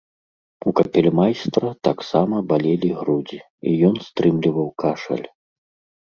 У капельмайстра таксама балелі грудзі, і ён стрымліваў кашаль.